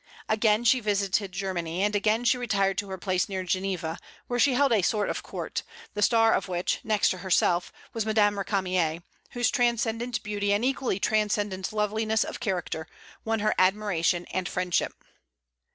Again she visited Germany, and again she retired to her place near Geneva, where she held a sort of court, the star of which, next to herself, was Madame Récamier, whose transcendent beauty and equally transcendent loveliness of character won her admiration and friendship.